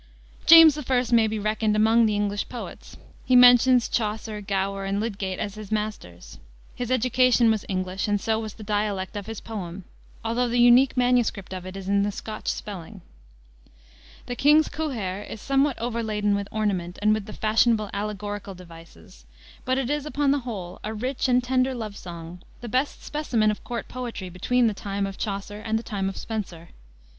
James I. may be reckoned among the English poets. He mentions Chaucer, Gower, and Lydgate as his masters. His education was English, and so was the dialect of his poem, although the unique MS. of it is in the Scotch spelling. The King's Quhair is somewhat overladen with ornament and with the fashionable allegorical devices, but it is, upon the whole, a rich and tender love song, the best specimen of court poetry between the time of Chaucer and the time of Spenser.